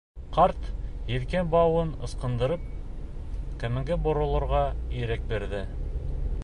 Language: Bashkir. Ҡарт, елкән бауын ысҡындырып, кәмәгә боролорға ирек бирҙе.